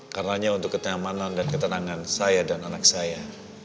karena untuk ketenangan dan ketenangan saya dan anak saya